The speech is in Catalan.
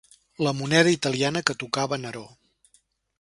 La moneda italiana que tocava Neró.